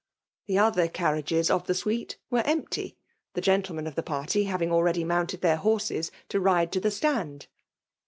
The oth<»; carriages of t]ho suite were, empty; the gentlemen of the pf^rty having already mounted their horses to lade to the stand.